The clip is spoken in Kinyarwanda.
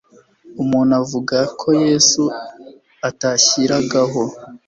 umuntu avuga ko yesu atashyiragaho